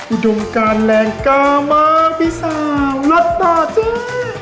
อุดมการแรงกล้ามากพี่สาวรัดตาเจ๊